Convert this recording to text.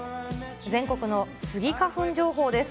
全国のスギ花粉情報です。